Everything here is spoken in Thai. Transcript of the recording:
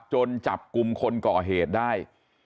จนจับกลุ่มคนก่อเหตุได้